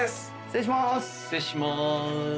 失礼します。